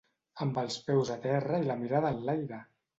Amb els peus a terra i la mirada enlaire!